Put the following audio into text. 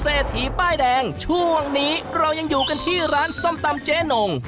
เศรษฐีป้ายแดงช่วงนี้เรายังอยู่กันที่ร้านส้มตำเจ๊นง